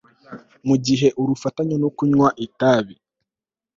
Mu gihe urufatanya no kunywa itabi